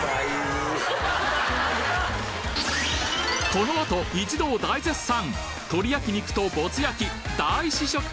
このあと一同大絶賛！